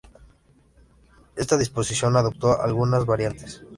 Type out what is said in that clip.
Esta disposición adoptó algunas variantes.